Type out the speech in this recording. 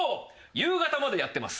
夕方までやってます。